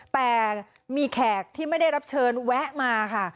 แต่มีแขกที่ไม่ได้รับเชิญแวะมาค่ะ